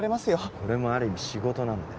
これもある意味仕事なんだよ